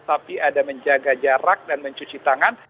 tapi ada menjaga jarak dan mencuci tangan